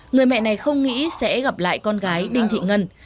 người mẹ này không nghĩ sẽ gặp lại con gái đinh thị ngân